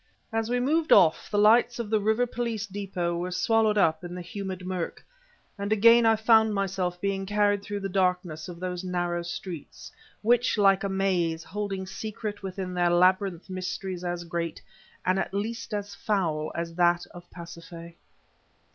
As we moved off, the lights of the River Police depot were swallowed up in the humid murk, and again I found myself being carried through the darkness of those narrow streets, which, like a maze, hold secret within their labyrinth mysteries as great, and at least as foul, as that of Pasiphae.